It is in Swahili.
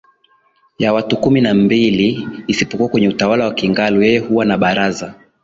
ya watu kumi na mbili isipokuwa kwenye utawala wa Kingalu yeye huwa na baraza